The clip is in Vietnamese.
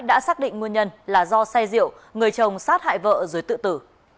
đã xác định nguyên nhân là do say rượu người chồng sát hại vợ rồi tự tử